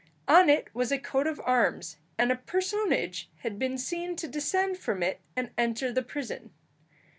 On it was a coat of arms, and a personage had been seen to descend from it and enter the prison.